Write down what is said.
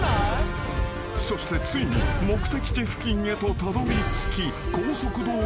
［そしてついに目的地付近へとたどりつき］